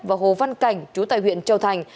và hồ văn cảnh chú tại huyện châu thành